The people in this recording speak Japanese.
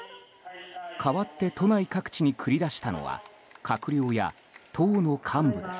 代わって都内各地に繰り出したのは閣僚や党の幹部です。